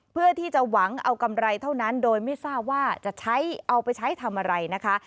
เพื่อที่จะหวังเอากำไรเท่านั้นโดยไม่ทราบว่าจะใช้เอาไปใช้ทำอะไรนะคะ